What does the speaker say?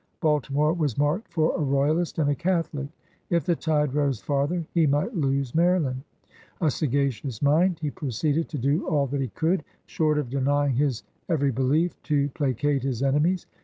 Balti more was marked for a royalist and a Catholic. If the tide rose farther, he might lose Maryland. A sagacious mind, he proceeded to do all that he could, short of denying his every behef, to pla cate his enemies.